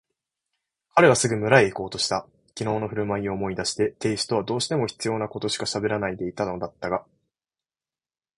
彼はすぐ村へいこうとした。きのうのふるまいを思い出して亭主とはどうしても必要なことしかしゃべらないでいたのだったが、